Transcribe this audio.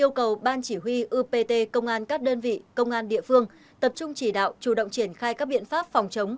yêu cầu ban chỉ huy upt công an các đơn vị công an địa phương tập trung chỉ đạo chủ động triển khai các biện pháp phòng chống